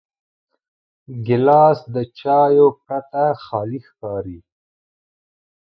ګیلاس د چایو پرته خالي ښکاري.